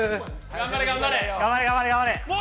◆頑張れ、頑張れ！